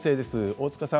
大塚さん